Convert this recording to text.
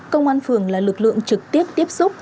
công an phường là lực lượng trực tiếp tiếp xúc